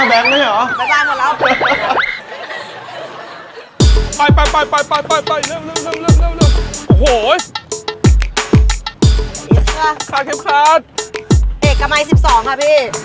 ไปทีมหน้าแบงค์ไม่ได้เหรอ